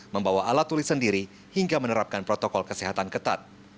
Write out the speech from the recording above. membawa alat tulis sendiri hingga menerapkan protokol kesehatan ketat